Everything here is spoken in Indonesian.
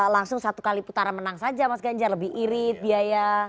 langsung satu kali putaran menang saja mas ganjar lebih irit biaya